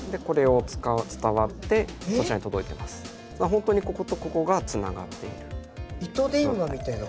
本当にこことここがつながっている。